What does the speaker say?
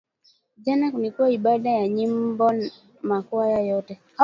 Jana kulikuwa ibada ya nyimbo ya ma kwaya yote